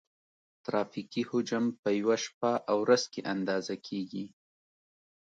ترافیکي حجم په یوه شپه او ورځ کې اندازه کیږي